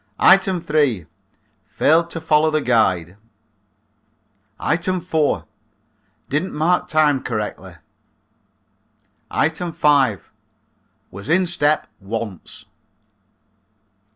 Item three: Failed to follow the guide. Item four: Didn't mark time correctly. Item five: Was in step once.